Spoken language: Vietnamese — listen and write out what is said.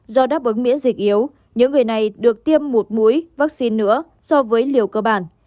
do đáp ứng miễn dịch yếu những người này được tiêm một mũi vaccine nữa so với liều cơ bản